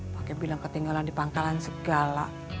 pakai bilang ketinggalan di pangkalan segala